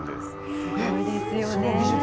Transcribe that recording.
すごいですよね。